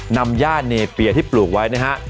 นำย่าเนเปียที่ปลูกไว้นะฮะ